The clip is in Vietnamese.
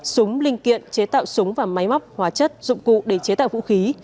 súng linh kiện chế tạo súng và máy móc hóa chất dụng cụ để chế tạo vũ khí